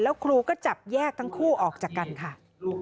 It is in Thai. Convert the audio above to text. แล้วครูก็จับแยกทั้งคู่ออกจากกันค่ะ